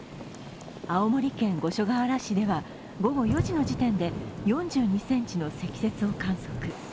青森県五所川原市では午後４時の時点で４２ｃｍの積雪を観測。